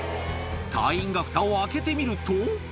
隊員がふたを開けてみると。